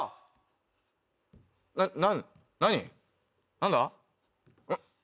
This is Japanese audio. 何だ？